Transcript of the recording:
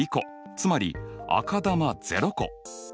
つまり赤球０個。